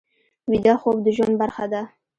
ویده خوب د ژوند برخه ده